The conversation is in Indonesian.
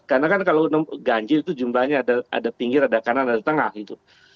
karena kan kalau ganjil itu jumlahnya ada pinggir ada kanan ada tengah gitu